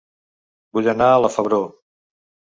Vull anar a La Febró